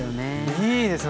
いいですね